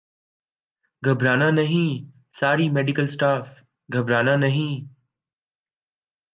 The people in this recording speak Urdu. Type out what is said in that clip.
گھبرا نہ نہیں ساری میڈیکل سٹاف گھبرانہ نہیں